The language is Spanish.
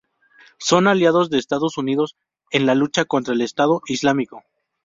Son aliados de Estados Unidos en la lucha contra el Estado Islámico.